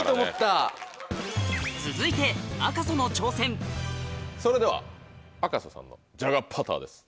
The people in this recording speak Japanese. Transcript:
続いてそれでは赤楚さんのじゃがパターです。